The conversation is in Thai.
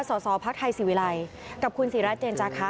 ส่อภาคไทยสิวิรัยกับคุณศิราชเจนจาคะ